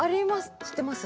知ってます？